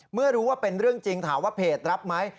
เมื่อรู้ว่าเป็นเรื่องจริงถามว่าเพจรับไหม